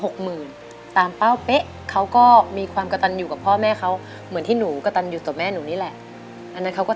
ใจคุณแม่ว่ายังไง